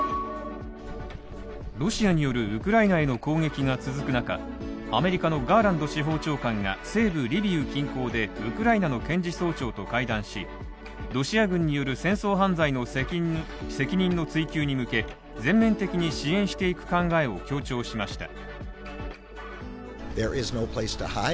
ロシアによるウクライナへの攻撃が続く中、アメリカのガーランド司法長官が西部リビウ近郊でウクライナの検事総長と会談しロシア軍による戦争犯罪の責任の追及に向け全面的に支援していく考えを強調しました。